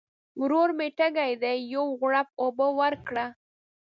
ورور مي تږی دی ، یو غوړپ اوبه ورکړه !